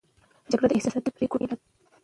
جګړه د احساساتي پرېکړو پایله ده.